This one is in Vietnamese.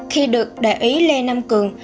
khi được đại úy lê nam cường